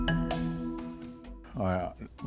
kita harus mencari barong yang berbeda